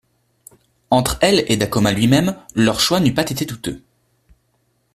Entre elle et Dacoma lui-même, leur choix n'eût pas été douteux.